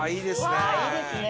いいですね！